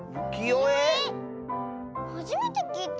はじめてきいた！